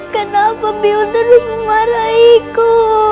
kenapa biong terus memarahiku